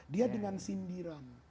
dia dengan sindiran